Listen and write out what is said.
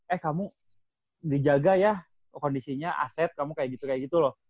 eh kamu dijaga ya kondisinya aset kamu kayak gitu kayak gitu loh